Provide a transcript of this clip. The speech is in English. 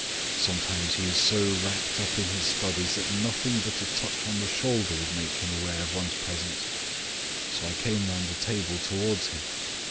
Sometimes he is so wrapped up in his studies that nothing but a touch on the shoulder would make him aware of one's presence, so I came round the table towards him.